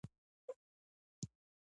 کله چې موږ هم انګړ ته راووتلو،